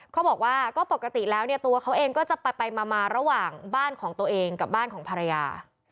เขาบอกว่าก็ปกติแล้วเนี่ยตัวเขาเองก็จะไปมาระหว่างบ้านของตัวเองกับบ้านของภรรยา